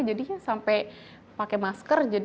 jadinya sampai pakai masker